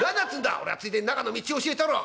「俺がついでに中の道を教えてやるわ。